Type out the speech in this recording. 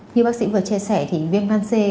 như bác sĩ vừa chia sẻ thì viên văn xe